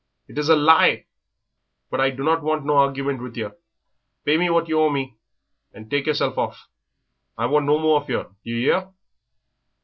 "It is a lie, but I don't want no hargument with yer; pay me what you owe me and take yerself hoff. I want no more of yer, do you 'ear?"